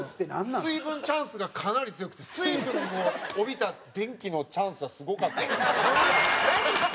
水分チャンスがかなり強くて水分を帯びた電気のチャンスはすごかったですね。